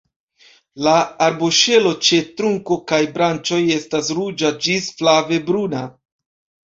La arboŝelo ĉe trunko kaj branĉoj estas ruĝa ĝis flave bruna.